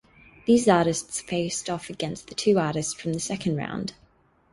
These artists faced off against the two artists from the second round.